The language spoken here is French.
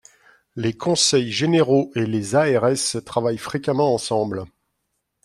Les conseils généraux et les ARS travaillent fréquemment ensemble.